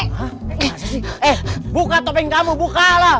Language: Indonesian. eh buka topeng kamu buka lah